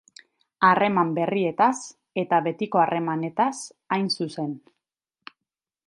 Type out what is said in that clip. Harreman berrietaz eta betiko harremanetaz hain zuzen.